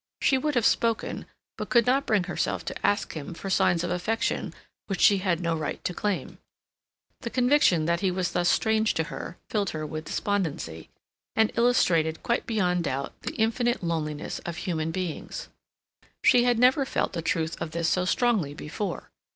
She would have spoken, but could not bring herself to ask him for signs of affection which she had no right to claim. The conviction that he was thus strange to her filled her with despondency, and illustrated quite beyond doubt the infinite loneliness of human beings. She had never felt the truth of this so strongly before.